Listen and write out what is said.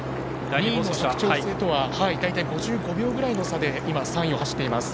２位の佐久長聖とは大体５５秒ぐらいの差で３位を走っています。